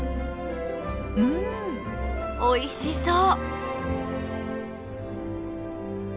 うんおいしそう！